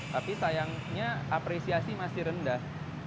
tapi sayangnya apresiasi masih rendah